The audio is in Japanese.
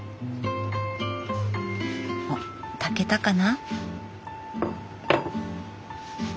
おっ炊けたかな？